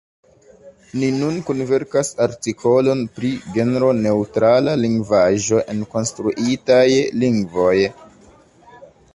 Ni nun kunverkas artikolon pri genroneŭtrala lingvaĵo en konstruitaj lingvoj.